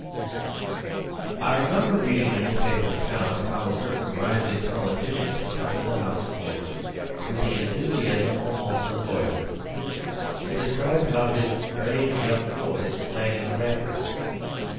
I remember reading a newspaper account of how a certain rising politician confronted the House of Lords with the enthusiasm almost of boyhood. It described how his "brave young voice" rang in the rafters.